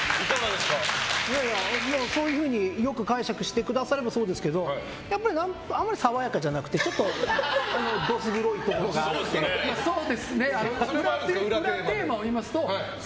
そういうふうに良く解釈してくださればそうですけど、やっぱりあんまり爽やかじゃなくてちょっとどす黒いところがあるという。